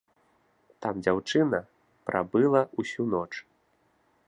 Там дзяўчына прабыла ўсю ноч.